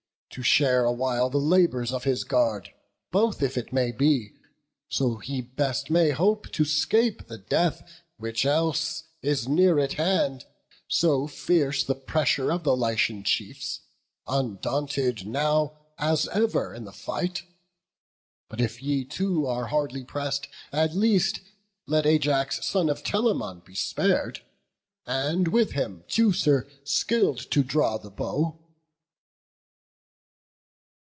To share awhile the labours of his guard; Both, if it may be; so he best may hope To 'scape the death, which else is near at hand: So fierce the pressure of the Lycian chiefs, Undaunted now, as ever, in the fight. But if ye too are hardly press'd, at least Let Ajax, son of Telamon, be spar'd, And with him Teucer, skill'd to draw the bow."